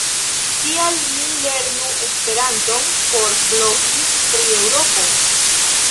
Kial mi lernu Esperanton por blogi pri Eŭropo?